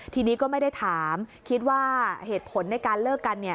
ทีนี้ก็ไม่ได้ถามคิดว่าเหตุผลในการเลิกกัน